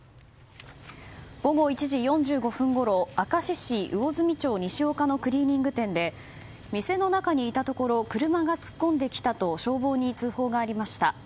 午後１時４５分ごろ明石市魚住町西岡のクリーニング店で店の中にいたところ車が突っ込んできたと消防に通報がありました。